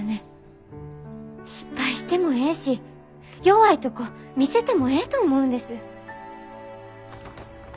失敗してもええし弱いとこ見せてもええと思うんです。